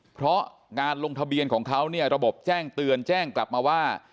เพราะงานลงทะเบียนของเขาเนี่ยระบบแจ้งเตือนแจ้งกลับมาว่า